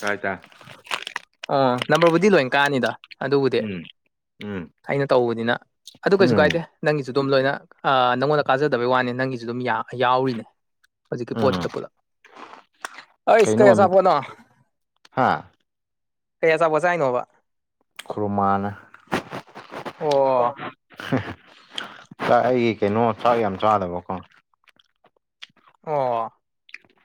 ꯀꯥꯢꯗ ꯑꯥ ꯅꯝꯕꯔꯕꯨꯗꯤ ꯂꯣꯏ ꯀꯥꯅꯤꯗ ꯑꯗꯨꯕꯨꯗꯤ ꯎꯝ ꯎꯝ ꯑꯩꯅ ꯇꯧꯕꯅꯤꯅ ꯑꯗꯨ ꯀꯩꯁꯨ ꯎꯝ ꯀꯥꯏꯗꯦ ꯅꯪꯒꯤꯁꯨ ꯑꯗꯨꯝ ꯂꯣꯏꯅ ꯑꯥ ꯅꯪꯉꯣꯟꯗ ꯀꯥꯖꯗꯕꯩ ꯋꯥꯅꯤ ꯅꯪꯒꯤꯁꯨ ꯑꯗꯨꯝ ꯌꯥꯝ ꯌꯥꯎꯔꯤꯅꯦ ꯍꯧꯖꯤꯛꯀꯤ ꯎꯝ ꯄꯣꯠꯇꯨꯗ ꯄꯨꯂꯞ ꯑꯩꯁ ꯀꯩ ꯑꯆꯥꯄꯣꯠꯅꯣ ꯍꯥꯥ ꯀꯩ ꯑꯆꯥꯄꯣꯠ ꯆꯥꯏꯅꯣꯕꯥ ꯈꯨꯔꯨꯃꯥꯟ [inaudible] [unintelligible] ꯑꯣ ꯆꯥ ꯑꯩꯒꯤ ꯀꯩꯅꯣ ꯆꯥꯛ ꯌꯥꯝ ꯆꯥꯅꯕꯀꯣ ꯑꯣ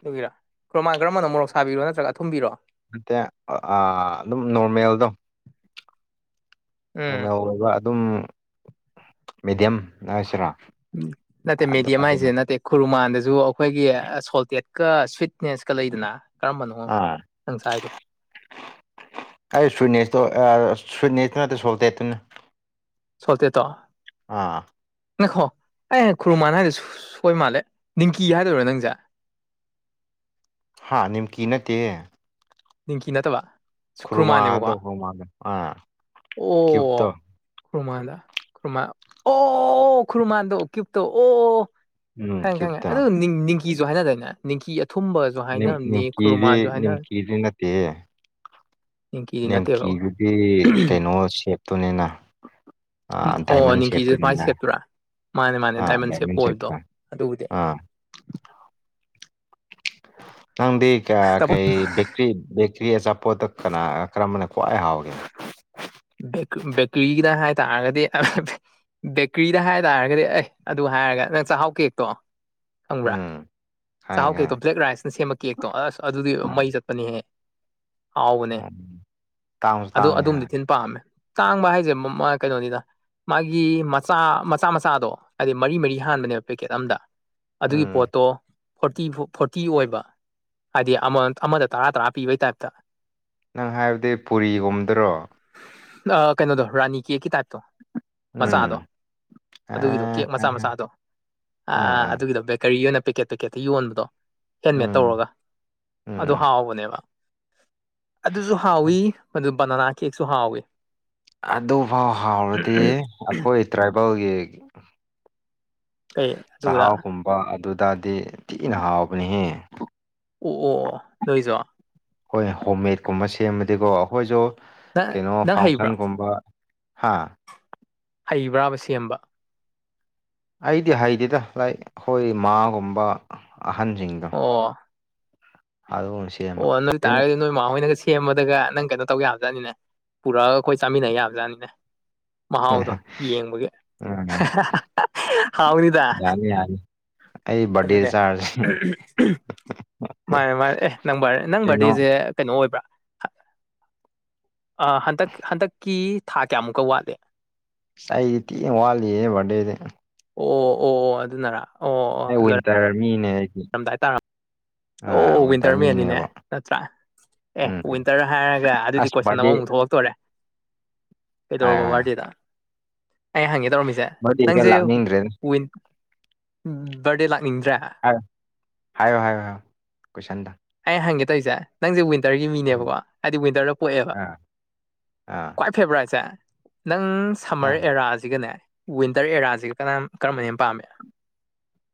ꯑꯗꯨꯒꯤꯔꯥ ꯈꯨꯔꯨꯃꯥꯟ ꯀꯔꯝꯕꯅꯣ ꯃꯣꯔꯣꯛ ꯁꯥꯕꯤꯔꯣ ꯅꯠꯇ꯭ꯔꯒ ꯑꯊꯨꯝꯕꯤꯔꯣ ꯅꯠꯇꯦ ꯑꯥ ꯑꯗꯨꯝ ꯅꯣꯔꯃꯦꯜꯗꯣ ꯎꯝ ꯅꯣꯔꯃꯦꯜ ꯑꯣꯏꯕ ꯑꯗꯨꯝ ꯃꯦꯗꯤꯌꯝ ꯍꯥꯢꯁꯤꯔꯥ ꯥ ꯎꯝ ꯅꯠꯇꯦ ꯃꯦꯗꯤꯌꯝ ꯍꯥꯏꯁꯦ ꯅꯠꯇꯦ ꯈꯨꯔꯨꯃꯥꯟꯗꯁꯨ ꯑꯩꯈꯣꯏꯒꯤ ꯁꯣꯜꯇꯦꯠꯀ ꯁ꯭ꯋꯤꯠꯅꯦꯁꯀ ꯂꯩꯗꯅ ꯀꯔꯝꯕꯅꯣ ꯑꯥ ꯅꯪ ꯁꯥꯏꯗꯣ ꯑꯩ ꯁ꯭ꯋꯤꯠꯅꯦꯠꯇꯣ ꯑꯥ ꯁ꯭ꯋꯤꯠꯅꯦꯠꯇꯣ ꯅꯠꯇꯦ ꯁꯣꯜꯇꯦꯠꯇꯨꯅꯦ ꯁꯣꯜꯇꯦꯠ ꯇꯣ ꯑꯥ ꯉꯥꯏꯈꯣ ꯑꯩ ꯈꯨꯔꯃꯥꯟ ꯍꯥꯏꯗꯣ ꯁꯣꯏꯕ ꯃꯥꯜꯂꯦ ꯅꯤꯡꯀꯤ ꯍꯥꯏꯗꯣꯏꯔꯥ ꯅꯪꯖꯦ ꯍꯥ ꯅꯤꯝꯀꯤ ꯅꯠꯇꯦꯌꯦ ꯅꯤꯝꯀꯤ ꯅꯠꯇꯕ ꯈꯨꯔꯨꯃꯥꯟꯅꯦꯕꯀꯣ ꯈꯨꯔꯨꯃꯥꯗꯣ ꯈꯨꯔꯨꯃꯥꯗꯣ ꯑꯥ ꯑꯣ ꯀ꯭ꯌꯨꯕꯇꯣ ꯈꯨꯔꯨꯃꯥꯟꯂ ꯈꯨꯔꯃꯥꯟ ꯑꯣ ꯈꯨꯔꯃꯥꯟꯗꯣ ꯀ꯭ꯌꯨꯨꯞꯇꯣ ꯑꯣ ꯎꯝ ꯈꯪꯉꯦ ꯈꯪꯉꯦ ꯀ꯭ꯌꯨꯕꯇꯣ ꯑꯗꯨ ꯅꯤꯡ ꯅꯤꯡꯀꯤꯁꯨ ꯍꯥꯏꯅꯗꯥꯏꯅꯦ ꯅꯤꯡꯀꯤ ꯑꯊꯨꯝꯕ ꯅꯤꯝ ꯅꯤꯝꯀꯤꯗꯤ ꯅꯝꯀꯤꯗꯤ ꯅꯠꯇꯦꯍꯦ ꯅꯤꯡꯀꯤꯗꯤ ꯅꯠꯇꯦꯕꯀꯣ ꯅꯦꯝꯀꯤꯗꯨꯗꯤ ꯀꯩꯅꯣ ꯁꯦꯞꯇꯨꯅꯤꯅ ꯑ ꯑꯣ ꯗꯥꯏꯃꯟ ꯅꯤꯡꯀꯤꯁꯦ ꯃꯥꯏ ꯁꯦꯞꯇꯨꯅꯤꯅ ꯁꯦꯞꯇꯨꯔꯥ ꯃꯥꯅꯦ ꯃꯥꯅꯦ ꯑꯥ ꯗꯥꯏꯃꯟ ꯁꯦꯞ ꯗꯥꯢꯃꯟ ꯑꯣꯏꯕꯗꯣ ꯁꯦꯞꯇ ꯑꯗꯨꯕꯨꯗꯤ ꯑꯥ ꯅꯪꯗꯤ ꯀ ꯀꯩ ꯕꯤꯛ ꯀ꯭ꯔꯤ ꯕꯦꯀ꯭ꯔꯤ ꯑꯆꯥꯄꯣꯠꯇ ꯀꯅꯥ ꯀꯔꯝꯕꯅ ꯈ꯭ꯋꯥꯏ ꯍꯥꯎꯒꯦ ꯕꯦꯀ ꯕꯦꯀ꯭ꯔꯤꯒꯤꯗ ꯍꯥꯏꯇꯥꯥꯔꯒꯗꯤ [unintelligible] ꯕꯦꯀ꯭ꯔꯤꯗ ꯍꯥꯏ ꯇꯥꯔꯒꯗꯤ ꯑꯦ ꯑꯗꯨ ꯍꯥꯏꯔꯒ ꯅꯪ ꯆꯥꯍꯥꯎ ꯀꯦꯛꯇꯣ ꯈꯪꯕ꯭ꯔꯥ ꯎꯝ ꯆꯥꯍꯥꯎ ꯈꯪꯉꯦ ꯀꯦꯛꯇꯣ ꯕ꯭ꯂꯦꯛ ꯔꯥꯏꯁꯅ ꯁꯦꯝꯕ ꯀꯦꯛꯇꯣ ꯑꯁ ꯑꯗꯨꯗꯤ ꯃꯩ ꯆꯠꯄꯅꯤꯍꯦ ꯍꯥꯎꯕꯅꯦ ꯈꯪꯉꯦ ꯇꯥꯡꯁꯨ ꯑꯗꯨ ꯇꯥꯡꯉꯦ ꯑꯗꯨꯝꯗꯤ ꯍꯥꯏ ꯊꯤꯟ ꯄꯥꯝꯃꯦ ꯇꯥꯡꯕ ꯍꯥꯏꯖꯦ ꯃꯥ ꯀꯩꯅꯣꯅꯤꯗ ꯃꯥꯒꯤ ꯃꯆꯥ ꯃꯆꯥ ꯃꯆꯥꯗꯣ ꯍꯥꯏꯗꯤ ꯃꯔꯤ ꯃꯔꯤ ꯍꯥꯟꯕꯅꯦꯕ ꯄꯦꯀꯦꯠ ꯑꯝꯗ ꯑꯗꯨꯒꯤ ꯎꯝ ꯄꯣꯠꯇꯣ ꯐꯣꯔꯇꯤ ꯐꯣ ꯐꯣꯔꯇꯤ ꯑꯣꯏꯕ ꯍꯥꯏꯗꯤ ꯑꯃ ꯑꯃꯗ ꯇꯔꯥ ꯇꯔꯥ ꯄꯤꯕꯩ ꯇꯥꯏꯞꯇ ꯅꯪ ꯍꯥꯏꯕꯗꯤ ꯄꯨꯔꯤꯒꯨꯝꯗ꯭ꯔꯣ ꯑ ꯀꯩꯅꯣꯗꯣ ꯔꯥꯅꯤ ꯀꯦꯛꯀꯤ ꯇꯥꯏꯞꯇꯣ ꯃꯆꯥꯗꯣ ꯎꯝ ꯑꯗꯨꯒꯤꯗꯣ ꯑꯥ ꯀꯦꯛ ꯃꯆꯥ ꯑꯥ ꯃꯆꯥꯗꯣ ꯑꯥ ꯑꯗꯨꯒꯤꯗꯣ ꯕꯦꯀꯔꯤ ꯑꯣꯏꯅ ꯄꯦꯛꯀꯦꯠꯇ ꯌꯣꯟꯕꯗꯣ ꯍꯦꯟꯃꯦꯠ ꯎꯝ ꯇꯧꯔꯒ ꯑꯗꯨ ꯎꯝ ꯍꯥꯎꯕꯅꯦꯕ ꯑꯗꯨꯖꯨ ꯍꯥꯎꯋꯤ ꯑꯗꯨ ꯕꯅꯅꯥ ꯀꯦꯛꯁꯨ ꯍꯥꯎꯏ ꯑꯗꯨꯐꯥꯎ ꯍꯥꯎꯔꯗꯤ ꯑꯈꯣꯏ ꯇ꯭ꯔꯥꯏꯕꯦꯜꯒꯤ ꯀꯩ ꯑꯗꯨꯒ ꯆꯥꯍꯥꯎꯈꯨꯝꯕ ꯑꯗꯨꯗꯥꯗꯤ ꯊꯤꯅ ꯍꯥꯎꯕꯅꯦꯍꯦ ꯑꯣ ꯑꯣ ꯑꯣ ꯅꯣꯏꯖꯨ ꯍꯣꯏ ꯍꯣꯝ ꯃꯦꯠꯀꯨꯝꯕ ꯁꯦꯝꯃꯗꯤꯀꯣ ꯑꯈꯣꯏꯖꯨ ꯅꯪ ꯀꯩꯅꯣ ꯅꯪ ꯍꯩꯕ꯭ꯔꯣ ꯐꯪꯁꯟꯒꯨꯝꯕ ꯍꯥꯥ ꯍꯩꯕ꯭ꯔꯥꯕ ꯁꯦꯝꯕ ꯑꯩꯗꯤ ꯍꯩꯇꯦꯗ ꯂꯥꯏꯛ ꯑꯈꯣꯏ ꯃꯥꯒꯨꯝꯕ ꯑꯍꯟꯖꯤꯡ ꯑꯣ [unintelligible] ꯑꯣ [unintelligible] ꯀꯩꯅꯣ ꯇꯥꯏ ꯅꯣꯏꯃ ꯍꯣꯏꯅꯒ ꯁꯦꯝꯃꯗꯒ ꯅꯪ ꯀꯩꯅꯣ ꯇꯧ ꯌꯥꯕꯖꯥꯠꯅꯤꯅꯦ ꯄꯨꯔꯛꯑꯒ ꯑꯈꯣꯏ ꯆꯥꯃꯤꯟꯅ ꯌꯥꯕꯖꯥꯠꯅꯤꯅꯦ ꯃꯍꯥꯥꯎꯗꯣ ꯌꯦꯡꯕꯒꯤ ꯎꯝ ꯍꯥꯎꯅꯤꯗ ꯌꯥꯅꯤ ꯌꯥꯅꯤ ꯑꯩ ꯕꯥꯔꯗꯦ ꯑꯗꯨꯅꯦ ꯆꯥꯔꯁꯤ ꯃꯥꯟꯅꯦ ꯃꯥꯟꯅꯦ ꯑꯦ ꯅꯪ ꯕꯥꯔ ꯅꯪ ꯀꯩꯅꯣ ꯕꯥꯔꯗꯦꯖꯦ ꯀꯩꯅꯣ ꯑꯣꯏꯕ꯭ꯔꯥ ꯑꯥ ꯍꯟꯇꯛ ꯍꯟꯇꯛꯀꯤ ꯊꯥ ꯀꯌꯥꯃꯨꯛꯀ ꯋꯥꯠꯂꯤ ꯑꯩꯗꯤ ꯊꯤꯟꯅ ꯋꯥꯠꯂꯤꯌꯦ ꯕꯥꯔꯗꯦꯗꯤ ꯑꯣ ꯑꯣ ꯑꯣ ꯑꯗꯨꯅꯔꯥ ꯑꯩ ꯋꯤꯟꯇꯔ ꯃꯤꯅꯦꯍꯦ [unintelligible] ꯑꯣ ꯋꯤꯟꯇꯔ ꯃꯦꯟꯅꯤꯅꯦ ꯅꯠꯇ꯭ꯔꯥ ꯑꯦ ꯎꯝ ꯋꯤꯟꯇꯔ ꯍꯥꯏꯔꯒ ꯑꯗꯨꯗꯤ ꯑꯁ ꯀꯣꯏꯁꯟ ꯕꯥꯔꯗꯦ ꯑꯃꯃꯨꯛ ꯊꯣꯛꯂꯛꯇꯣꯔꯦ ꯍꯥꯏꯌꯣ ꯀꯩꯗꯧꯔꯕ ꯍꯥꯏꯌꯣ ꯕꯥꯔꯗꯦꯗ ꯑꯩ ꯍꯪꯒꯦ ꯇꯧꯔꯝꯃꯤꯖꯦ ꯕꯥꯔꯗꯦꯒ ꯅꯪꯖꯦ ꯂꯥꯛꯅꯤꯡꯗ꯭ꯔꯦꯗ ꯋꯤꯟ ꯕꯥꯔꯗꯦ ꯂꯥꯛꯅꯤꯡꯗ꯭ꯔꯦ ꯍꯥꯏꯌꯣ ꯍꯥꯏꯌꯣ ꯍꯥꯏꯌꯣ ꯍꯥꯏꯌꯣ ꯀꯣꯏꯁꯟꯗꯣ ꯑꯩ ꯍꯪꯒꯦ ꯇꯧꯏꯖꯦ ꯅꯪꯖꯦ ꯋꯤꯟꯇꯔꯒꯤ ꯎꯝ ꯃꯤꯅꯦꯕꯀꯣ ꯍꯥꯏꯗꯤ ꯋꯤꯟꯇꯔꯗ ꯄꯣꯛꯑꯦꯕ ꯑꯥ ꯑꯥ ꯈ꯭ꯋꯥꯏ ꯐꯦꯕꯔꯥꯏꯠꯁꯦ ꯅꯪ ꯁꯝꯃꯔ ꯑꯥ ꯑꯦꯔꯥꯖꯤꯒꯅꯦ ꯋꯤꯟꯇꯔ ꯑꯦꯔꯥꯖꯤꯒ ꯀꯅꯥꯝ ꯀꯔꯝꯕꯅ ꯍꯦꯟꯅ ꯄꯥꯝꯃꯦ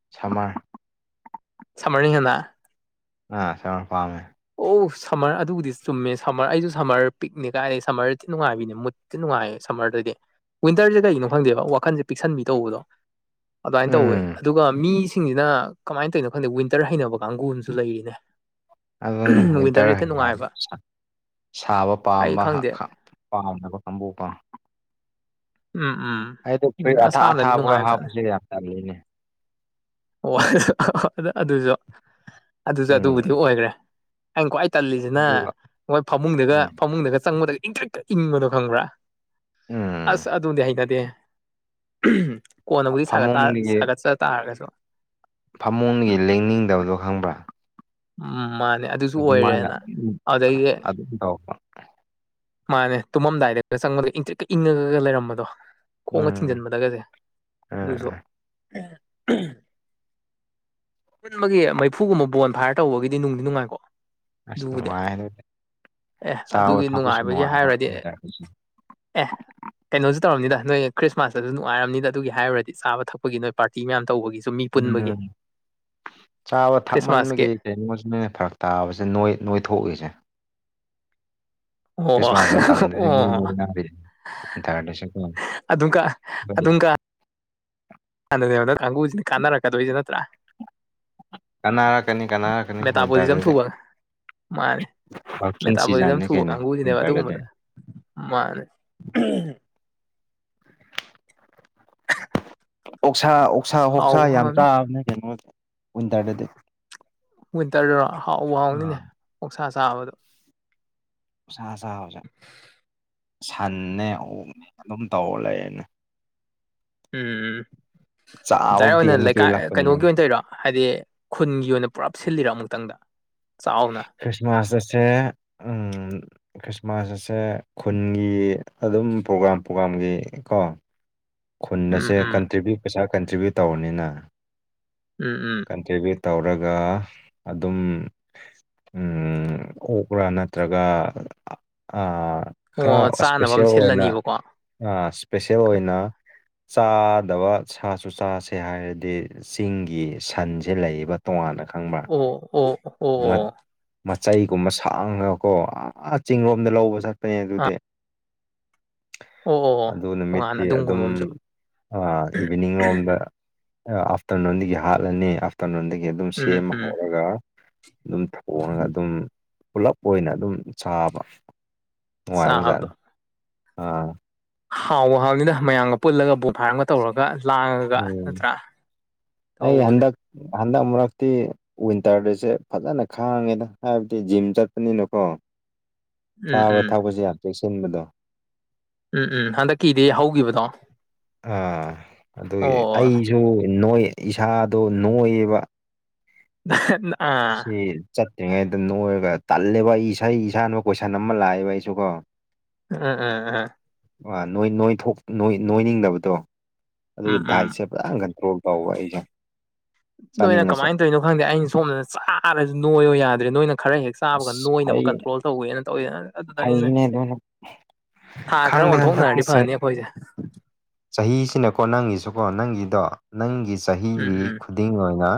ꯁꯝꯃꯔ ꯁꯝꯃꯔꯅ ꯍꯦꯟꯅ ꯑꯥ ꯁꯝꯃꯔ ꯄꯥꯝꯃꯦ ꯑꯣ ꯁꯝꯃꯔ ꯑꯗꯨꯕꯨꯗꯤ ꯆꯨꯝꯃꯦ ꯁꯝꯃꯔ ꯑꯩꯖꯨ ꯁꯝꯃꯔ ꯄꯤꯛꯅꯤ ꯀꯥꯏꯗꯩꯩ ꯁꯝꯃꯔ ꯊꯤ ꯅꯨꯡꯉꯥꯏꯕꯤꯅꯦ ꯃꯨꯠ ꯊꯤ ꯅꯨꯡꯉꯥꯏꯌꯦ ꯁꯝꯃꯔꯗꯗꯤ ꯋꯤꯟꯇꯔꯖꯦ ꯀꯩꯒꯤꯅꯣ ꯈꯪꯗꯦꯕ ꯋꯥꯈꯟꯖꯦ ꯄꯤꯛꯁꯟꯕꯤ ꯇꯧꯕꯗꯣ ꯑꯗ꯭ꯋꯥꯏꯟ ꯇꯧꯋꯦ ꯎꯝ ꯑꯗꯨꯒ ꯃꯤꯁ ꯁꯤꯡꯖꯤꯅ ꯀꯃꯥꯏꯟ ꯇꯧꯏꯅꯣ ꯈꯪꯗꯦ ꯋꯤꯟꯇꯔ ꯍꯩꯅꯕ ꯀꯥꯡꯒꯨ ꯑꯝꯖꯨ ꯂꯩꯔꯤꯅꯦ ꯑꯗꯨꯅꯦ ꯋꯤꯟꯇꯔ ꯋꯤꯟꯇꯔꯁꯦ ꯊꯤ ꯍꯥꯏꯅꯕ ꯅꯨꯡꯉꯥꯏꯕ ꯁꯥꯕ ꯑꯩ ꯄꯥꯝꯕ ꯈꯪꯗꯦ ꯄꯥꯝꯗꯕ ꯀꯥꯡꯕꯨ ꯀꯣ ꯎꯝ ꯎꯝ ꯑꯩꯗꯣ ꯎꯝ ꯐꯨꯔꯤꯠ ꯑꯊꯥ ꯑꯁꯥꯝꯅꯗꯤ ꯑꯊꯥꯕꯒ ꯅꯨꯡꯉꯥꯏꯕꯖꯥꯠꯅꯦ ꯍꯥꯞꯄꯖꯦ ꯌꯥꯝ ꯇꯜꯂꯤꯅꯦ ꯑꯣ ꯑꯗꯨꯖꯨ ꯑꯗꯨꯖꯨ ꯑꯗꯨꯕꯨꯗꯤ ꯎꯝ ꯑꯣꯏꯔꯦ ꯑꯩꯅ ꯈ꯭ꯋꯥꯏ ꯇꯜꯂꯤꯖꯤꯅ ꯑꯗꯨꯒ ꯃꯣꯏ ꯐꯃꯨꯡꯗꯒ ꯎꯝ ꯐꯃꯨꯡꯗꯒ ꯆꯪꯕꯗ ꯏꯪꯊ꯭ꯔꯤꯛꯀ ꯏꯪꯕꯗꯣ ꯈꯪꯕ꯭ꯔꯥ ꯎꯝ ꯑꯁ ꯑꯗꯨꯗꯤ ꯍꯩꯅꯗꯦꯍꯦ ꯀꯣꯟꯅꯕꯨꯗꯤ ꯁꯥꯒꯠꯇ ꯐꯃꯨꯡꯒꯤ ꯁꯥꯒꯠꯆ ꯇꯥꯔꯒꯁꯨ ꯐꯃꯨꯡꯗꯒꯤ ꯂꯦꯡꯅꯤꯡꯗꯕꯗꯣ ꯈꯪꯕ꯭ꯔꯥ ꯎꯝ ꯃꯥꯟꯅꯦ ꯑꯗꯨꯖꯨ ꯑꯗꯨꯃꯥꯏꯅ ꯑꯣꯏꯔꯦꯅ ꯑꯗꯨꯝ ꯑꯗꯒꯤ ꯑꯗꯨꯝ ꯇꯧꯕ ꯃꯥꯟꯅꯦ ꯇꯨꯝꯃꯝꯗꯥꯏꯗ ꯆꯪꯕꯗ ꯏꯪꯇ꯭ꯔꯤꯛꯀ ꯏꯪꯉꯒ ꯂꯩꯔꯝꯕꯗꯣ ꯈꯣꯡꯒ ꯎꯝ ꯊꯤꯡꯖꯤꯟꯕꯗ [unintelligible] ꯑꯗꯨꯖꯨ ꯎꯝ ꯄꯨꯟꯕꯒꯤ ꯃꯩꯐꯨꯒꯨꯝꯕ ꯕꯣꯟ ꯐꯥꯏꯌꯔ ꯇꯧꯕꯒꯤꯗꯤ ꯅꯨꯡꯗꯤ ꯅꯨꯡꯉꯥꯏꯀꯣ ꯑꯁ ꯗꯨꯕꯨꯗꯤ ꯅꯨꯡꯉꯥꯏ ꯑꯗꯨꯗꯤ ꯑꯦ ꯆꯥꯕ ꯑꯗꯨꯒꯤ ꯊꯛꯄꯁꯨ ꯅꯨꯡꯉꯥꯏꯕꯒꯤ ꯅꯨꯡꯉꯥꯏꯕ ꯍꯥꯏꯔꯨꯔꯗꯤ ꯋꯤꯟꯇꯔꯗꯁꯨ ꯑꯦ ꯀꯩꯅꯣꯖꯨ ꯇꯧꯔꯝꯅꯤꯗ ꯅꯣꯏ ꯈ꯭ꯔꯤꯁꯃꯥꯁꯇꯖꯨ ꯅꯨꯡꯉꯥꯏꯔꯝꯅꯤꯗ ꯑꯗꯨꯒꯤ ꯍꯥꯏꯔꯨꯔꯗꯤ ꯆꯥꯕ ꯊꯛꯄꯒꯤ ꯅꯣꯏ ꯄꯥꯔꯇꯤ ꯃꯌꯥꯝ ꯇꯧꯕꯒꯤ ꯎꯝ ꯆꯥꯕ ꯈ꯭ꯔꯤꯁꯃꯥꯁꯀꯤ ꯊꯛꯃꯟꯕꯒꯤ [unintelligible] ꯐꯔꯛꯇꯕꯁꯦ ꯅꯣꯏ ꯅꯣꯏꯊꯣꯛꯏꯁꯦ ꯑꯣ ꯈ꯭ꯔꯤꯁꯃꯥꯁ ꯃꯇꯝꯗꯗꯤ ꯃꯤ ꯑꯣ ꯅꯣꯏꯅꯔꯤꯖꯦ ꯋꯤꯟꯇꯔ ꯗꯁꯨꯀꯣ ꯑꯗꯨꯀ ꯑꯗꯨꯝꯀ [unintelligible] ꯀꯥꯡꯒꯨꯖꯤꯅꯤ ꯀꯥꯟꯅꯔꯛꯀꯗꯣꯏꯖꯦ ꯅꯠꯇ꯭ꯔꯥ ꯀꯥꯟꯅꯔꯛꯀꯅꯤ ꯀꯅꯔꯛꯀꯅꯤ ꯋꯤꯟꯇꯔꯗꯗꯤ ꯃꯥꯟꯅꯤ ꯋꯥꯔꯀꯤꯡ ꯃꯦꯇꯥꯕꯣꯂꯤꯖꯝ ꯁꯤꯖꯟꯅꯤ ꯊꯨꯕ ꯀꯩꯅꯣ ꯀꯥꯡꯕꯨꯖꯤꯅꯦꯕ ꯋꯤꯟꯇꯔꯗꯗꯤ ꯑꯗꯨꯒꯨꯝꯕꯗ ꯃꯥꯟꯅꯦ ꯑꯣꯛꯁꯥ ꯑꯣꯛꯁꯥ ꯑꯣꯛꯁꯥ ꯍꯥꯎꯕ ꯌꯥꯝ ꯍꯥꯎꯅꯤ ꯆꯥꯕꯅꯦ ꯀꯩꯅꯣ ꯋꯤꯟꯇꯔꯗꯗꯤ ꯋꯤꯟꯇꯔꯗꯔꯣ ꯍꯥꯎꯕꯨ ꯍꯥꯎꯅꯤꯅꯦ ꯑꯥ ꯑꯣꯛꯁꯥ ꯆꯥꯕꯗꯣ ꯁꯥ ꯆꯥꯕꯖꯦ ꯁꯟꯅꯦ ꯑꯣꯛꯅꯦ ꯑꯗꯨꯝ ꯇꯧꯔ ꯂꯩꯔꯅꯤ ꯎꯝ ꯆꯥꯕ ꯗꯥꯏꯔꯦꯛ ꯑꯣꯏꯅ ꯄꯦꯟꯕ ꯂꯩꯀꯥꯏ ꯄꯦꯜꯂꯛꯄꯅꯦ ꯀꯩꯅꯣꯒꯤ ꯑꯣꯏꯅ ꯇꯧꯏꯔꯣ ꯍꯥꯏꯗꯤ ꯈꯨꯟꯒꯤ ꯑꯣꯏꯅ ꯄꯨꯔꯞ ꯁꯤꯜꯂꯤꯔꯣ ꯑꯃꯨꯛꯇꯪꯗ ꯆꯥꯎꯅ ꯈ꯭ꯔꯤꯁꯃꯥꯁ ꯑꯁꯦ ꯎꯝ ꯈ꯭ꯔꯤꯁꯃꯥꯁ ꯑꯁꯦ ꯈꯨꯟꯒꯤ ꯑꯗꯨꯝ ꯄ꯭ꯔꯣꯒ꯭ꯔꯥꯝ ꯄ꯭ꯔꯣꯒ꯭ꯔꯥꯝꯒꯤ ꯀꯣ ꯈꯨꯟ ꯎꯝ ꯑꯁꯦ ꯎꯝ ꯀꯟꯇ꯭ꯔꯤꯕ꯭ꯌꯨꯠ ꯄꯩꯁꯥ ꯀꯟꯇ꯭ꯔꯤꯕ꯭ꯌꯨꯠ ꯇꯧꯕꯅꯤꯅ ꯎꯝ ꯎꯝ ꯀꯟꯇ꯭ꯔꯤꯕ꯭ꯌꯨꯠ ꯇꯧꯔꯒ ꯑꯗꯨꯝ ꯎꯝ ꯀꯣꯛꯄ꯭ꯔ ꯅꯠꯇ꯭ꯔꯒ ꯑꯥ ꯈꯔ ꯑꯣ ꯆꯥꯅꯕ ꯑꯃ ꯏꯁꯄꯦꯁꯦꯜ ꯑꯣꯏꯅ ꯁꯤꯜꯂꯅꯤꯕꯀꯣ ꯑꯣ ꯑꯥ ꯏꯁꯄꯤꯁꯦꯜ ꯑꯣꯏꯅ ꯆꯥꯗꯕ ꯁꯥꯁꯨ ꯆꯥꯁꯦ ꯍꯥꯏꯔꯗꯤ ꯆꯤꯡꯒꯤ ꯁꯟꯁꯦ ꯂꯩꯌꯦꯕ ꯇꯣꯉꯥꯟꯅ ꯈꯪꯕ꯭ꯔ ꯑꯣ ꯑꯣ ꯑꯣ ꯃꯆꯩꯒꯨꯝꯕ ꯁꯥꯡꯉꯀꯣ ꯑꯥ ꯆꯤꯡꯂꯣꯝꯗ ꯂꯧꯕ ꯆꯠꯄꯅꯦ ꯑꯥ ꯑꯗꯨꯗꯤ ꯑꯣ ꯑꯣ ꯑꯗꯨ ꯇꯣꯉꯥꯟꯅ ꯅꯨꯃꯤꯠꯇꯤ ꯑꯗꯨꯝ ꯑꯗꯨꯝ ꯏꯚꯤꯅꯤꯡ ꯔꯣꯝꯗ ꯑꯥꯐꯇꯔꯅꯨꯟꯗꯒꯤ ꯍꯥꯠꯂꯅꯤ ꯇꯅꯣꯟꯗꯒꯤ ꯑꯗꯨꯝ ꯎꯝ ꯁꯦꯝꯃ ꯎꯝ ꯍꯧꯔꯒ ꯑꯗꯨꯝ ꯊꯣꯡꯉꯒ ꯑꯗꯨꯝ ꯄꯨꯂꯞ ꯑꯣꯏꯅ ꯑꯗꯨꯝ ꯆꯥꯕ ꯆꯥꯕꯗꯣ ꯅꯨꯡꯉꯥꯏꯕꯖꯥꯠꯅꯤ ꯑꯥ ꯍꯥꯎꯕꯨ ꯍꯥꯎꯅꯤꯗ ꯃꯌꯥꯝꯒ ꯄꯨꯜꯂꯒ [unintelligible] ꯇꯧꯔꯒ ꯂꯥꯡꯉꯒ ꯎꯝ ꯅꯠꯇ꯭ꯔꯥ ꯑꯩ ꯇꯧꯕꯁꯦ ꯍꯟꯗꯛ ꯍꯟꯗꯛ ꯑꯃꯨꯔꯛꯇꯤ ꯋꯤꯟꯇꯔꯗꯁꯦ ꯐꯖꯅ ꯈꯥꯡꯉꯦꯗ ꯍꯥꯏꯕꯗꯤ ꯖꯤꯝ ꯆꯠꯄꯅꯤꯅꯀꯣ ꯎꯝ ꯆꯥꯕ ꯎꯝ ꯊꯛꯄꯁꯦ ꯌꯥꯝ ꯆꯦꯛꯁꯤꯟꯕꯗꯣ ꯎꯝ ꯎꯝ ꯍꯟꯗꯛꯀꯤꯗꯤ ꯍꯧꯒꯤꯕꯗꯣ ꯑꯥ ꯑꯗꯨꯒꯤ ꯑꯩꯁꯨ ꯅꯣꯏ ꯏꯁꯥꯗꯣ ꯅꯣꯏꯕ [unintelligible] ꯑꯥ ꯑꯁꯤ ꯆꯠꯇ꯭ꯔꯤꯉꯩꯗ ꯅꯣꯏꯔꯒ ꯇꯜꯂꯦꯕ ꯑꯩ ꯏꯁꯩ ꯏꯁꯥꯅꯁꯨ ꯀꯣꯏꯁꯟ ꯑꯃ ꯂꯥꯛꯑꯦꯕ ꯑꯩꯁꯨ ꯀꯣ ꯎꯝ ꯎꯝ ꯎꯝ ꯑꯥ ꯅꯣꯏ ꯅꯣꯢ ꯊꯣꯛ ꯅꯣꯏꯅꯤꯡꯗꯕꯗꯣ ꯑꯗꯨꯒꯤ ꯎꯝ ꯗꯥꯏꯠꯁꯦ ꯎꯝ [unintelligible] ꯀꯟꯇ꯭ꯔꯣꯜ ꯇꯧꯕ ꯑꯩꯁꯦ ꯅꯣꯏꯅ ꯆꯥꯅꯤꯡꯉꯁꯨ ꯀꯃꯥꯏꯟ ꯇꯧꯔꯤꯅꯣ ꯈꯪꯗꯦ ꯑꯩꯅ ꯁꯣꯝꯗꯅ ꯆꯥꯔꯁꯨ ꯅꯣꯏꯌꯣ ꯌꯥꯗ꯭ꯔꯦ ꯅꯣꯏꯅ ꯈꯔ ꯍꯦꯛ ꯆꯥꯕꯒ ꯑꯁ ꯅꯣꯏꯅꯕ ꯑꯩ ꯀꯟꯇ꯭ꯔꯣꯜ ꯇꯧꯋꯦꯅ [unintelligible] ꯑꯗꯨꯗꯅꯤꯅꯦ ꯐꯩꯅꯦ ꯑꯗꯨꯅ ꯊꯥ ꯈꯔ ꯈꯪꯗꯦ ꯍꯟꯗꯛꯀꯤ ꯑꯣꯟꯊꯣꯛꯅꯔꯗꯤ ꯆꯍꯤ ꯐꯅꯤ ꯑꯈꯣꯏꯁꯦ ꯆꯍꯤꯁꯤꯅꯀꯣ ꯅꯪꯒꯤꯁꯨꯀꯣ ꯅꯪꯒꯤꯗꯣ ꯅꯪꯒꯤ ꯎꯝ ꯆꯍꯤꯒꯤ ꯎꯝ ꯈꯨ ꯈꯨꯗꯤꯡ ꯑꯣꯏꯅ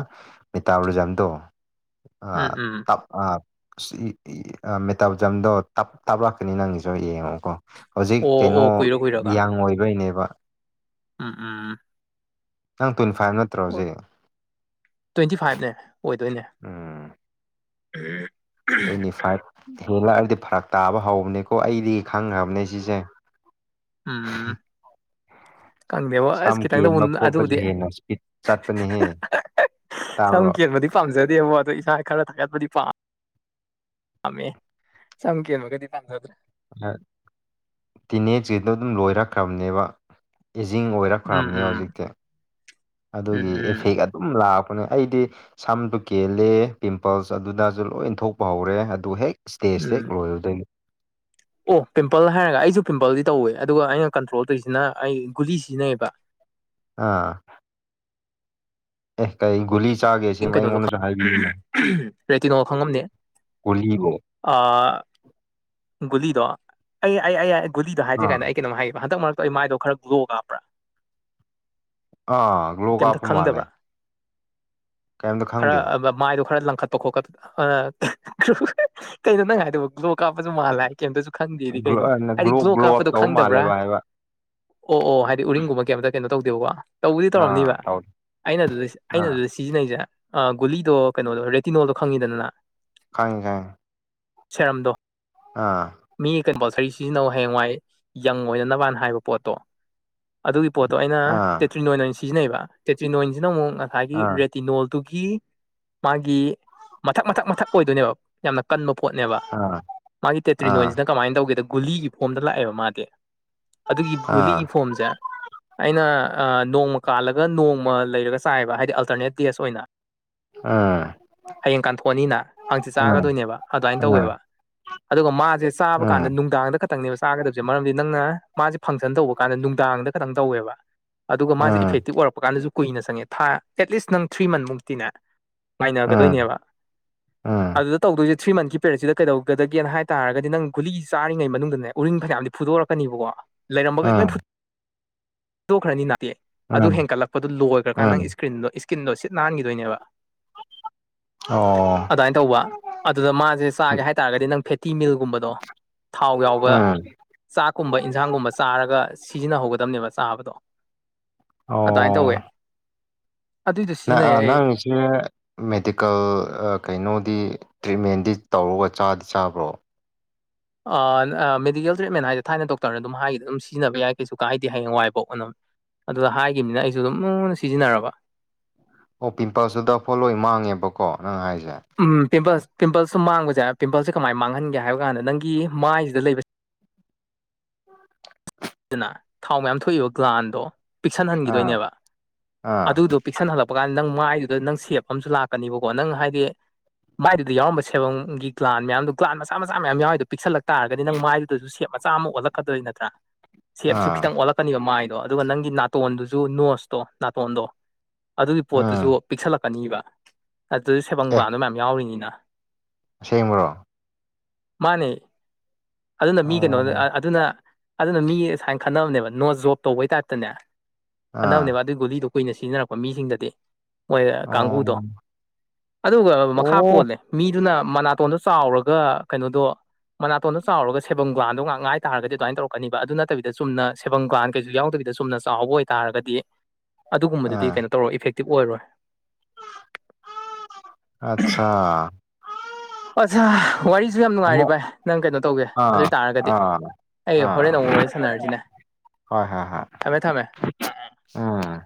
ꯃꯤꯇꯥꯕꯣꯂꯤꯖꯝꯗꯣ ꯑꯥ ꯎꯝ ꯎꯝ ꯇꯞ ꯑꯥ ꯑꯁ ꯏ ꯏ ꯑꯥ ꯃꯦꯇꯥꯕꯖꯝꯗꯣ ꯇꯞ ꯇꯥꯞꯂꯛꯀꯅꯤ ꯅꯪꯒꯤꯁꯨ ꯌꯦꯡꯉꯣꯀꯣ ꯍꯧꯖꯤꯛ ꯑꯣ ꯀꯩꯅꯣ ꯑꯣ ꯀꯨꯏꯔ ꯀꯨꯏꯔꯒ ꯌꯪ ꯑꯣꯏꯕꯩꯅꯦꯕ ꯎꯝ ꯎꯝ ꯅꯪ ꯇ꯭ꯋꯦꯟꯇꯤ ꯐꯥꯏꯚ ꯅꯠꯇ꯭ꯔꯣ ꯑꯣ ꯍꯧꯖꯤꯛ ꯇ꯭ꯋꯦꯟꯇꯤ ꯐꯥꯏꯚꯅꯦ ꯑꯣꯏꯗꯣꯏꯅꯦ ꯎꯝ ꯇ꯭ꯋꯦꯟꯇꯤ ꯐꯥꯏꯚ ꯍꯦꯜꯂꯛꯑꯗꯤ ꯐꯔꯛ ꯇꯥꯕ ꯍꯧꯕꯅꯦꯀꯣ ꯑꯩꯗꯤ ꯈꯪꯈ꯭ꯔꯕꯅꯦ ꯁꯤꯁꯦ ꯎꯝ ꯈꯪꯗꯦꯕꯣ ꯑꯁ ꯁꯝ ꯈꯤꯇꯪꯗ ꯀꯦꯟꯕ ꯈꯣꯠꯄꯁꯦ ꯑꯗꯨꯕꯨꯗꯤ ꯍꯦꯟꯅ ꯏꯁꯄꯤꯠ ꯆꯠꯄꯅꯦꯍꯦ [unintelligible] ꯁꯝ ꯇꯥꯕ꯭ꯔꯣ ꯀꯦꯟꯕꯗꯤ ꯄꯥꯝꯖꯗꯦꯕꯣ ꯑꯗꯣ ꯏꯁꯥ ꯈꯔ ꯊꯥꯒꯠꯄꯗꯤ ꯄꯥꯝ ꯄꯃꯦ ꯁꯝ ꯀꯦꯟꯕꯒꯗꯤ ꯄꯥꯝꯖꯗ꯭ꯔꯦ ꯇꯤꯅꯦꯖꯤꯗꯣ ꯑꯗꯨꯝ ꯂꯣꯏꯔꯛꯈ꯭ꯔꯕꯅꯦꯕ ꯏꯖꯤꯡ ꯑꯣꯏꯔꯛ ꯎꯝ ꯐꯕꯅꯦ ꯎꯝ ꯍꯧꯖꯤꯛꯇꯤ ꯎꯝ ꯑꯗꯨꯒꯤ ꯎꯝ ꯏꯐꯦꯛ ꯑꯗꯨꯝ ꯂꯥꯛꯄꯅꯦ ꯑꯩꯗꯤ ꯁꯝꯗꯨ ꯀꯦꯜꯂꯦ ꯄꯤꯝꯄꯜꯁ ꯑꯗꯨꯗꯁꯨ ꯂꯣꯏ ꯊꯣꯛꯄ ꯍꯧꯔꯦ ꯑꯗꯨ ꯍꯦꯛ ꯏꯁꯇꯦꯖ ꯍꯦꯛ ꯎꯝ ꯂꯣꯢꯕꯗꯒꯤ ꯑꯣ ꯄꯤꯝꯄꯜ ꯍꯥꯏꯔꯒ ꯑꯩꯁꯨ ꯄꯤꯝꯄꯜꯗꯤ ꯇꯧꯋꯦ ꯑꯗꯨꯒ ꯑꯩꯅ ꯀꯟꯇ꯭ꯔꯣꯜ ꯇꯧꯔꯤꯁꯤꯅ ꯑꯩ ꯒꯨꯂꯤ ꯁꯤꯖꯤꯟꯅꯩꯕ ꯑꯥ ꯑꯦ ꯀꯔꯤ ꯒꯨꯂꯤ ꯆꯥꯒꯦ ꯅꯪ ꯁꯤꯃ ꯀꯩꯅꯣꯗꯣ ꯈꯪ ꯑꯩꯉꯣꯟꯗꯁꯨ ꯍꯥꯏꯕꯤꯌꯨꯅ ꯔꯦꯇꯤꯅꯣ ꯈꯪꯉꯝꯅꯤ ꯒꯨꯂꯤꯕꯨ ꯑꯥ ꯒꯨꯂꯤꯗꯣ ꯑꯩ ꯑꯩ ꯑꯩ ꯑꯩ ꯒꯨꯂꯤꯗꯣ ꯍꯥꯏꯗ꯭ꯔꯤ ꯑꯥ ꯉꯩꯗ ꯑꯩ ꯀꯩꯅꯣꯝ ꯍꯥꯏꯒꯦꯕ ꯍꯟꯗꯛ ꯃꯔꯛꯇꯣ ꯑꯩ ꯃꯥꯏꯗꯣ ꯈꯔ ꯒ꯭ꯂꯣ ꯀꯥꯕ꯭ꯔꯥ ꯑꯥ ꯒ꯭ꯂꯣ ꯀꯩꯝꯇ ꯀꯥꯞꯄ ꯈꯪꯗꯕ꯭ꯔꯥ ꯃꯥꯂꯦ ꯈꯔ ꯃꯥꯏꯗꯨ ꯈꯔ ꯂꯪꯈꯠ ꯄ ꯈꯣꯀꯠ ꯑꯥ ꯑꯥ ꯀꯩꯅꯣ ꯅꯪ ꯍꯥꯢꯗꯨꯕꯣ ꯒ꯭ꯂꯣ ꯀꯥꯞ ꯑꯗꯨ ꯃꯥꯜꯂꯦ ꯀꯩꯝꯇꯁꯨ ꯈꯪꯗꯦꯗꯤ ꯒ꯭ꯂꯣ ꯀꯩꯅꯣ ꯍꯥꯏꯗꯤ ꯒ꯭ꯂꯣ ꯑꯞ ꯀꯥꯞꯄꯗꯣ ꯇꯧꯕ ꯈꯪꯗꯕ꯭ꯔꯥ ꯃꯥꯜꯂꯦꯕ ꯍꯥꯏꯕ ꯑꯣ ꯑꯣ ꯍꯥꯏꯗꯤ ꯎꯔꯤꯡꯒꯨꯝꯕ ꯀꯩꯝꯇ ꯀꯩꯅꯣ ꯇꯧꯗꯦꯕꯀꯣ ꯇꯧꯕꯗꯤ ꯑꯥ ꯇꯧꯔꯝꯅꯤꯕ ꯇꯧ ꯑꯩꯅ ꯑꯗꯨꯗꯤ ꯑꯩꯅ ꯑꯥ ꯑꯗꯨꯗꯤ ꯁꯤꯖꯤꯟꯅꯩꯁꯦ ꯑꯥ ꯒꯨꯂꯤꯗꯣ ꯀꯩꯅꯣꯗꯣ ꯔꯦꯇꯤꯅꯣꯜꯗꯣ ꯈꯪꯉꯤꯗꯅ ꯅꯥ ꯈꯪꯉꯦ ꯈꯪꯉꯦ ꯁꯦꯔꯝꯗꯣ ꯑꯥ ꯃꯤꯒꯤ ꯀꯝꯄꯜꯁꯔꯤ ꯁꯤꯖꯤꯟꯅꯧ ꯍꯌꯦꯡꯋꯥꯏ ꯌꯪ ꯑꯣꯏꯅꯅꯕ ꯍꯥꯏꯕ ꯄꯣꯠꯇꯣ ꯑꯗꯨꯒꯤ ꯄꯣꯠꯇꯣ ꯑꯩꯅ ꯑꯥ ꯇꯦꯇ꯭ꯔꯤꯅꯣꯏꯟ ꯑꯣꯏꯅ ꯁꯤꯖꯤꯟꯅꯩꯑꯕ ꯇꯦꯇ꯭ꯔꯤꯅꯣꯏꯟꯁꯤꯅ ꯑꯃꯨꯛ ꯉꯁꯥꯏꯒꯤ ꯑꯥ ꯔꯦꯠ ꯇꯤꯅꯣꯜꯗꯨꯒꯤ ꯃꯥꯒꯤ ꯃꯊꯛ ꯃꯊꯛ ꯃꯊꯛ ꯑꯣꯏꯗꯣꯏꯅꯦꯕ ꯌꯥꯝꯅ ꯀꯟꯕ ꯄꯣꯠꯅꯦꯕ ꯑꯥ ꯃꯥꯒꯤ ꯑꯥ ꯇꯦꯇ꯭ꯔꯤꯅꯣꯏꯟꯁꯤꯅ ꯀꯃꯥꯏꯅ ꯇꯧꯒꯦꯗ ꯒꯨꯂꯤꯒꯤ ꯐꯣꯝꯗ ꯂꯥꯛꯑꯦꯕ ꯃꯥꯗꯤ ꯑꯗꯨꯒꯤ ꯑꯥ ꯒꯨꯂꯤꯒꯤ ꯐꯣꯝꯖꯦ ꯑꯩꯅ ꯑꯥ ꯅꯣꯡꯃ ꯀꯥꯜꯂꯒ ꯅꯣꯡꯃ ꯂꯩꯔꯒ ꯆꯥꯏꯕ ꯍꯥꯏꯗꯤ ꯑꯜꯇꯔꯅꯦꯠ ꯗꯦꯖ ꯑꯣꯏꯅ ꯑꯥ ꯍꯌꯦꯡ ꯀꯥꯟꯊꯣꯛꯑꯅꯤꯅ ꯍꯪꯆꯤꯠ ꯑꯥ ꯆꯥꯒꯗꯣꯏꯅꯦꯕ ꯑꯗꯨꯃꯥꯏꯅ ꯑꯥ ꯇꯧꯋꯦꯕ ꯑꯗꯨꯒ ꯃꯥꯁꯦ ꯆꯥꯕ ꯀꯥꯟꯗ ꯅꯨꯡꯗꯥꯡꯗ ꯈꯛ ꯈꯛꯇꯪꯅꯦꯕ ꯆꯥꯒꯗꯕꯁꯦ ꯃꯔꯝꯗꯤ ꯅꯪꯅ ꯃꯥꯁꯦ ꯐꯪꯁꯟ ꯇꯧꯕ ꯀꯥꯟꯗ ꯅꯨꯡꯗꯥꯡꯗ ꯈꯛꯇꯪ ꯇꯧꯋꯦꯕ ꯑꯗꯨꯒ ꯃꯥꯁꯦ ꯑꯥ ꯏꯐꯦꯛꯇꯤꯞ ꯑꯣꯏꯔꯛꯄ ꯀꯥꯟꯗꯁꯨ ꯀꯨꯏꯅ ꯆꯪꯉꯦ ꯊꯥ ꯑꯦꯠꯂꯤꯁ ꯅꯪ ꯊ꯭ꯔꯤ ꯃꯟꯊ ꯃꯨꯛꯇꯤꯅꯦ ꯑꯥ ꯉꯥꯏꯅꯒꯗꯣꯏꯅꯦꯕ ꯑꯥ ꯑꯗꯨꯗ ꯇꯧꯗꯣꯏꯁꯦ ꯊ꯭ꯔꯤ ꯃꯟꯊꯀꯤ ꯄꯦꯔꯦꯠꯁꯤꯗ ꯀꯩꯗꯧꯒꯗꯒꯦꯅ ꯍꯥꯏ ꯇꯥꯔꯒꯗꯤ ꯅꯪ ꯒꯨꯂꯤ ꯆꯥꯔꯤꯉꯩ ꯃꯅꯨꯡꯗꯅꯦ ꯎꯔꯤꯡ ꯐꯅꯌꯥꯝꯗꯤ ꯐꯨꯗꯣꯔꯛꯀꯅꯤꯕꯀꯣ ꯂꯩꯔꯝꯕꯒꯩ ꯂꯣꯏ ꯎꯝ ꯐꯨꯗꯣꯛꯈ꯭ꯔꯅꯤꯅꯥ ꯑꯗꯨ ꯎꯝ ꯍꯦꯟꯀꯠꯂꯛꯄꯗꯨ ꯂꯣꯏꯒ꯭ꯔꯀꯥꯟ ꯅꯪ ꯎꯝ ꯏꯁꯀꯤꯟꯗꯣ ꯏꯁ ꯀꯤꯟꯗꯣ ꯁꯤꯠ ꯅꯥꯟꯈꯤꯗꯣꯏꯅꯦꯕ ꯑꯣ ꯑꯗꯥꯏꯅ ꯇꯧꯕ ꯑꯗꯨꯗ ꯃꯥꯖꯦ ꯆꯥꯒꯦ ꯍꯥꯏꯇꯥꯔꯒꯗꯤ ꯅꯪ ꯐꯦꯇꯤ ꯃꯤꯜꯒꯨꯝꯕꯗ ꯗꯣ ꯊꯥꯎ ꯌꯥꯎꯕ ꯎꯝ ꯆꯥꯛꯀꯨꯝꯕ ꯏꯟꯖꯥꯡꯒꯨꯝꯕ ꯆꯥꯔꯒ ꯁꯤꯖꯤꯟꯅꯍꯧꯒꯗꯕꯅꯦꯕ ꯆꯥꯕꯗꯣ ꯑꯗꯥꯏꯅ ꯇꯧꯋꯦ ꯑꯗꯨꯏꯗꯣ ꯅꯪ ꯁꯤꯖꯤꯟꯅꯩ ꯑꯥ ꯑꯩ ꯅꯪꯒꯤꯁꯦ ꯃꯦꯗꯤꯀꯦꯜ ꯑꯥ ꯀꯩꯅꯣꯗꯤ ꯇ꯭ꯔꯤꯠꯃꯦꯟꯗꯤ ꯇꯧꯔꯒ ꯆꯥꯗꯤ ꯆꯥꯕ꯭ꯔꯣ ꯑꯥ ꯃꯦꯗꯤꯀꯦꯜ ꯇ꯭ꯔꯤꯠꯃꯦꯟ ꯍꯥꯏꯁꯦ ꯊꯥꯏꯅ ꯗꯣꯛꯇꯔꯅ ꯑꯗꯨꯝ ꯍꯥꯏꯒꯤꯗ ꯑꯗꯨꯝ ꯁꯤꯖꯤꯟꯅꯕ ꯌꯥꯏ ꯀꯩꯁꯨ ꯀꯥꯗꯦ ꯍꯌꯦꯡꯋꯥꯏ ꯕꯥꯎ ꯑꯅ ꯑꯗꯨꯗ ꯍꯥꯏꯒꯤꯕꯅꯤꯅ ꯑꯩꯁꯨ ꯑꯗꯨꯝ ꯂꯨꯅ ꯁꯤꯖꯤꯟꯅꯔꯕ ꯑꯣ ꯄꯤꯝꯄꯜꯁꯨ ꯗꯥꯛꯐꯣ ꯂꯣꯏ ꯃꯥꯡꯉꯦꯕꯀꯣ ꯅꯪ ꯍꯥꯏꯁꯦ ꯎꯝ ꯄꯤꯝꯄꯜꯁ ꯄꯤꯝꯄꯜꯁꯦ ꯃꯥꯡꯕꯁꯦ ꯄꯤꯝꯄꯜꯁꯦ ꯀꯃꯥꯏꯅ ꯃꯥꯡꯍꯟꯒꯦ ꯍꯥꯏꯕ ꯀꯥꯟꯗ ꯅꯪꯒꯤ ꯃꯥꯏꯁꯤꯗ ꯂꯩꯕ ꯑꯗꯨꯅ ꯊꯥꯎ ꯃꯌꯥꯝ ꯊꯣꯛꯏꯕ ꯒ꯭ꯂꯥꯟꯗꯣ ꯑꯥ ꯄꯤꯛꯁꯟꯍꯟꯈꯤꯗꯣꯏꯅꯦꯕ ꯑꯥ ꯑꯗꯨꯗꯨ ꯄꯤꯛꯁꯟ ꯍꯜꯂꯛꯄ ꯀꯥꯟꯁꯤꯗ ꯅꯪ ꯃꯥꯏꯗꯨꯗ ꯅꯪ ꯁꯦꯞ ꯑꯃꯁꯨ ꯂꯥꯛꯀꯅꯤꯕꯀꯣ ꯅꯪ ꯍꯥꯏꯗꯤ ꯃꯥꯏꯗꯨꯗ ꯌꯥꯎꯔꯝꯕ ꯁꯦꯔꯝꯒꯤ ꯒ꯭ꯂꯥꯟ ꯃꯌꯥꯝꯗꯨ ꯒ꯭ꯂꯥꯟ ꯃꯆꯥ ꯃꯆꯥ ꯃꯌꯥꯝ ꯌꯥꯎꯔꯤꯗꯨ ꯄꯤꯛꯁꯜꯂꯛꯇꯥꯔꯒꯗꯤ ꯅꯪ ꯃꯥꯏꯗꯨꯗꯁꯨ ꯃꯆꯥ ꯑꯃ ꯑꯣꯜꯂꯛꯀꯗꯣꯏ ꯅꯠꯇ꯭ꯔꯥ ꯁꯦꯞꯁꯨ ꯑꯥ ꯈꯤꯇꯪ ꯑꯣꯜꯂꯛꯀꯅꯤꯕ ꯃꯥꯏꯗꯣ ꯑꯗꯨꯒ ꯅꯪꯒꯤ ꯅꯥꯇꯣꯟꯗꯨꯁꯨ ꯅꯣꯁꯇꯣ ꯅꯥꯇꯣꯟꯗꯣ ꯑꯗꯨꯒꯤ ꯄꯣꯠꯇꯨꯁꯨ ꯎꯝ ꯄꯤꯛꯁꯜꯂꯛꯀꯅꯤꯕ ꯑꯗꯨ ꯁꯦꯕꯝ ꯑꯦ ꯒ꯭ꯂꯥꯟꯗꯣ ꯃꯌꯥꯝ ꯌꯥꯎꯔꯤꯅꯤꯅ ꯑꯁꯦꯡꯕ꯭ꯔꯣ ꯃꯥꯅꯦ ꯑꯗꯨꯅ ꯃꯤ ꯀꯩꯅꯣ ꯑꯣ ꯑꯗꯨꯅ ꯑꯗꯨꯅ ꯃꯤ ꯁꯥꯏꯟ ꯈꯟꯅꯕꯅꯦꯕ ꯅꯣꯖ ꯖꯣꯞ ꯇꯧꯕꯩ ꯇꯥꯏꯞꯇꯅꯦ ꯈꯟꯅꯕꯅꯦꯕ ꯑꯥ ꯑꯗꯨꯏ ꯒꯨꯂꯤꯗꯣ ꯀꯨꯏꯅ ꯁꯤꯖꯤꯟꯅꯔꯛꯄ ꯃꯤꯖꯤꯡꯗꯗꯤ ꯃꯣꯏ ꯑ ꯀꯥꯡꯒꯨꯗꯣ ꯑꯣ ꯑꯗꯨꯒ ꯃꯈꯥ ꯑꯣ ꯄꯣꯜꯂꯦ ꯃꯤꯗꯨꯅ ꯃꯅꯥꯇꯣꯟꯗꯣ ꯆꯥꯎꯔꯒ ꯀꯩꯅꯣꯗꯣ ꯃꯅꯥꯇꯣꯟꯗꯣ ꯆꯥꯎꯔꯒ ꯁꯦꯕꯝ ꯒ꯭ꯂꯥꯟꯗꯣ ꯉꯥꯛ ꯉꯥꯏ ꯇꯔꯒꯗꯤ ꯑꯗꯨꯑꯥꯏꯟ ꯇꯧ ꯀꯅꯤꯕ ꯑꯗꯨ ꯅꯠꯇꯕꯤꯗ ꯆꯨꯝꯅ ꯁꯦꯕꯝ ꯒ꯭ꯂꯥꯟ ꯀꯩꯖꯨ ꯌꯥꯎꯗꯕꯤꯗ ꯆꯨꯝꯅ ꯆꯥꯎꯕ ꯑꯣꯏꯇꯥꯥꯔꯒꯗꯤ ꯑꯗꯨꯒꯨꯝꯕꯗꯨꯗꯤ ꯑꯥ ꯀꯩꯅꯣ ꯇꯧꯔꯣꯏ ꯏꯐꯦꯛꯇꯤꯞꯕ ꯑꯣꯏꯔꯣꯏ ꯑꯠꯆꯥ ꯑꯣꯠꯖꯥ ꯋꯥꯔꯤꯖꯨ ꯌꯥꯝ ꯅꯨꯡꯉꯥꯏꯔꯤ ꯑꯃꯨꯛ ꯚꯥꯏ ꯅꯪ ꯀꯩꯅꯣ ꯇꯧꯒꯦ ꯑꯥ ꯑꯗꯨꯏ ꯇꯥꯥꯔꯒꯗꯤ ꯑꯥ ꯑꯩ ꯍꯣꯔꯦꯟ ꯑꯥ ꯑꯃꯨꯛ ꯋꯥꯔꯤ ꯁꯥꯟꯅꯔꯖꯤꯅꯦ ꯍꯣꯏ ꯍꯣꯏ ꯍꯣꯏ ꯎꯝ